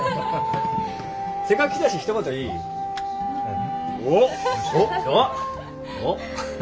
せっかく来たしひと言いい？おっ。